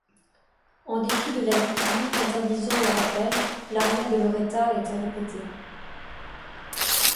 En dépit de l'avis public interdisant les rappels, l'aria de Lauretta étaient répété.